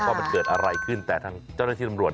ว่ามันเกิดอะไรขึ้นแต่ทางเจ้าหน้าที่ตำรวจ